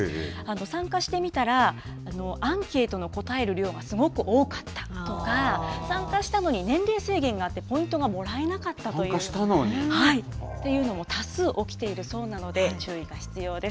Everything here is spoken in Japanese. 参加してみたら、アンケートの答える量がすごく多かったとか、参加したのに年齢制限があってポイントがもらえなかったというのも多数起きているそうなので、注意が必要です。